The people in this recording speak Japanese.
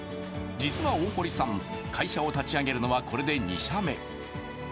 実は大堀さん、会社を立ち上げるのは実は２社目。